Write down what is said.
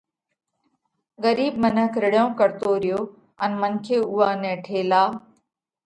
ڳرِيٻ منک رڙيون ڪرتو ريو ان منکي اُوئا نئہ ٺيلا